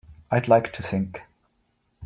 I'd like to think.